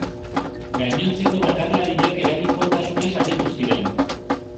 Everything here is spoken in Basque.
Gainontzeko bakarlariak eraginkortasunez aritu ziren.